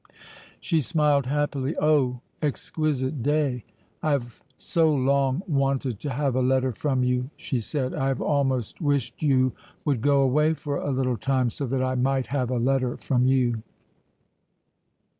She smiled happily. Oh, exquisite day! "I have so long wanted to have a letter from you," she said. "I have almost wished you would go away for a little time, so that I might have a letter from you."